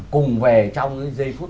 cùng về trong dây phút